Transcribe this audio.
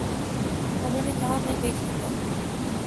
انہوں نے کہا: میں دیکھ لیتا ہوں۔